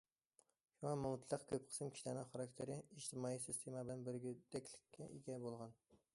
شۇڭا مۇتلەق كۆپ قىسىم كىشىلەرنىڭ خاراكتېرى ئىجتىمائىي سىستېما بىلەن بىردەكلىككە ئىگە بولىدۇ.